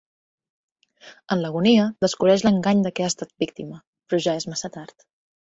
En l'agonia descobreix l'engany de què ha estat víctima, però ja és massa tard.